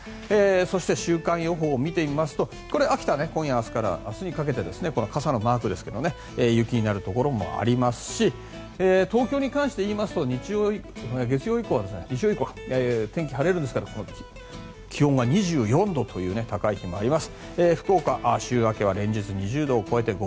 そして、週間予報を見てみますと秋田、今夜から明日にかけて傘のマークですが雪になるところもありますし東京に関して言いますと日曜以降は天気、晴れて気温が２４度という高くなります。